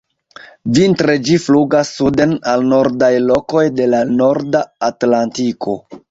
Vintre ĝi flugas suden al nordaj lokoj de la norda Atlantiko.